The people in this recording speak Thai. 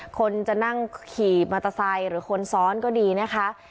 คนจะนั่งขี่มอเตอร์ไซค์หรือคนซ้อนก็ดีนะคะ